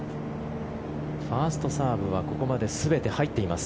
ファーストサーブはここまで全て入っています。